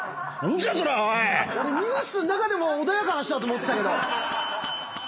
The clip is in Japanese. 俺ＮＥＷＳの中でも穏やかな人だと思ってたけど。